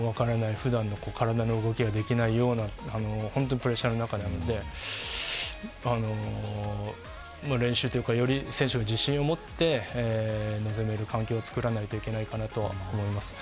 普段の体が動きができないような本当にプレッシャーの中でやるので練習というかより選手が自身を持って臨める環境を作らないといけないかなとは思います。